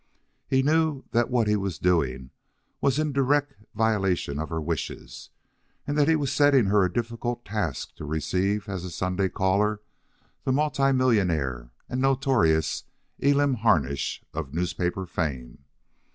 He knew that what he was doing was in direct violation of her wishes, and that he was setting her a difficult task to receive as a Sunday caller the multimillionaire and notorious Elam Harnish of newspaper fame.